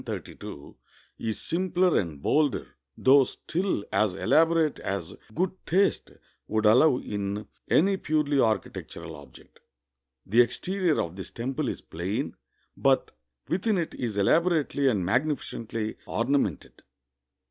1032, is simpler and bolder, though still as elaborate as good taste would allow in any purely architectural object." The exterior of this temple is plain, but within it is elabo rately and magnificently ornamented.